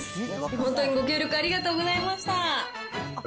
本当にご協力ありがとうございました。